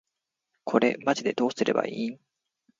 これマジでどうすれば良いん？